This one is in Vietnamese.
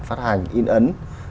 phát hành in ấn